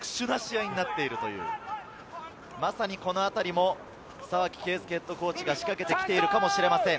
まさに、このあたりも沢木敬介ＨＣが仕掛けてきているかもしれません。